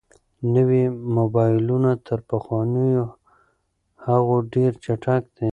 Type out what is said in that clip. نوي موبایلونه تر پخوانیو هغو ډېر چټک دي.